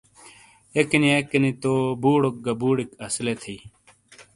اکنیا اکنی تو بوڑوک گہ بوڑیک اسیلے تھئ۔